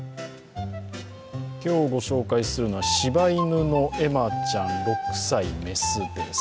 今日ご紹介するのはしば犬のエマちゃん、６歳、雌です。